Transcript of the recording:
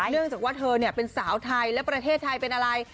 เนื่องจากว่าเธอเป็นสาวไทยและประเทศไทยเป็นอะไร